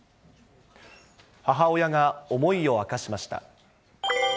母親が思いを明かしました。